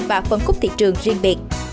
và phân cúp thị trường riêng biệt